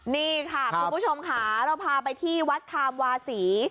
นี่ค่ะคุณผู้ชมค่ะเราพาไปที่วัดคามวาศี